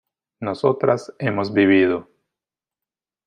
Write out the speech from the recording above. nosotras hemos vivido